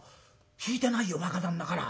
聞いてないよ若旦那から。